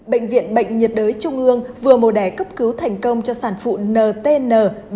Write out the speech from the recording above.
bệnh viện bệnh nhiệt đới trung ương vừa mô đẻ cấp cứu thành công cho sản phụ ntn